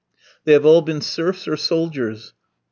They have all been serfs or soldiers.